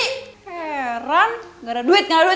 gak ada duit gak ada duit gak ada duit